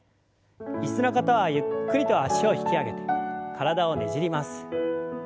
椅子の方はゆっくりと脚を引き上げて体をねじります。